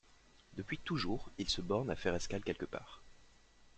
Depuis toujours, il se borne à faire escale quelque part.